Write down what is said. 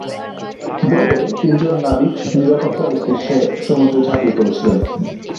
বোর্ডে তিনজন নাবিক নিরাপত্তার উদ্দেশ্যে সমুদ্রে ঝাঁপিয়ে পড়েছিলেন।